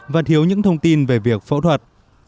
và thiếu những thông tin về việc phẫu thuật